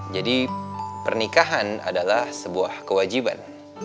jadi pernikahan adalah sebuah kewajiban